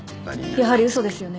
やはり嘘ですよね。